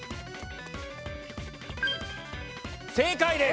正解です！